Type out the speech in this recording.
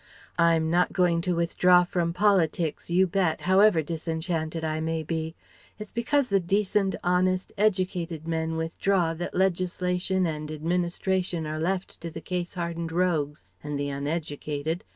I'm not going to withdraw from politics, you bet, however disenchanted I may be. It's because the decent, honest, educated men withdraw that legislation and administration are left to the case hardened rogues ... and the uneducated